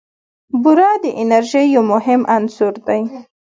بوره د انرژۍ یو مهم عنصر دی.